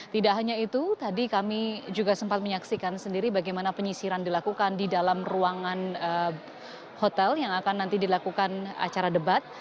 tidak hanya itu tadi kami juga sempat menyaksikan sendiri bagaimana penyisiran dilakukan di dalam ruangan hotel yang akan nanti dilakukan acara debat